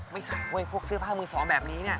ไม่ใช่พวกเสื้อผ้ามือสองแบบนี้เนี่ย